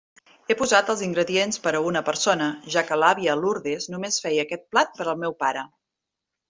He posat els ingredients per a una persona, ja que l'àvia Lourdes només feia aquest plat per al meu pare.